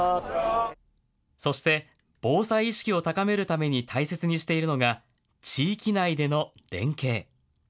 そして、防災意識を高めるために大切にしているのが地域内での連携。